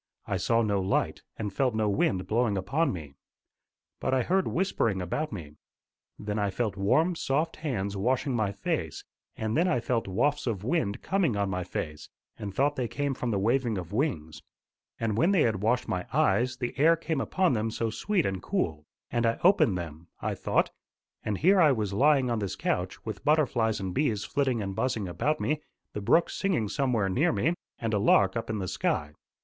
I saw no light, and felt no wind blowing upon me. But I heard whispering about me. Then I felt warm, soft hands washing my face, and then I felt wafts of wind coming on my face, and thought they came from the waving of wings. And when they had washed my eyes, the air came upon them so sweet and cool! and I opened them, I thought, and here I was lying on this couch, with butterflies and bees flitting and buzzing about me, the brook singing somewhere near me, and a lark up in the sky.